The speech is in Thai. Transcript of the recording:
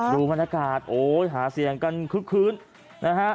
รู้บ้านอากาศโอ้ยหาเสียงกันคึ้นนะฮะ